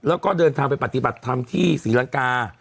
แล้วก็เดินทางไปปฏิบัติธรรมที่ศรีลังกา